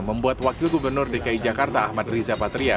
membuat wakil gubernur dki jakarta ahmad riza patria